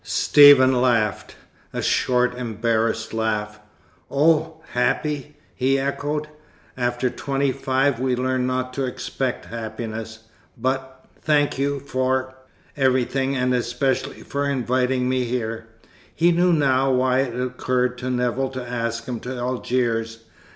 Stephen laughed a short, embarrassed laugh. "Oh, happy!" he echoed. "After twenty five we learn not to expect happiness. But thank you for everything, and especially for inviting me here." He knew now why it had occurred to Nevill to ask him to Algiers.